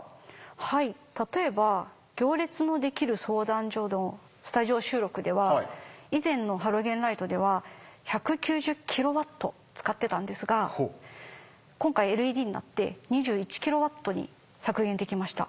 はい例えば『行列のできる相談所』のスタジオ収録では以前のハロゲンライトでは１９０ｋｗ使ってたんですが今回ＬＥＤになって２１ｋｗに削減できました。